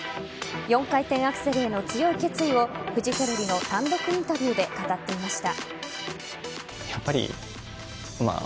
４回転アクセルへの強い決意をフジテレビの単独インタビューで語っていました。